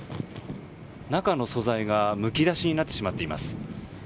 中の素材がむき出しになってしまっています。